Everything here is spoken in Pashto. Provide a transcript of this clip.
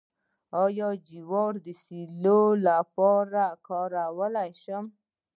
آیا جوار د سیلو لپاره کارولی شم؟